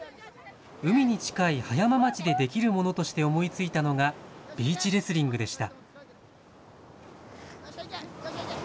海に近い葉山町でできるものとして思いついたのが、ビーチレスリングでした。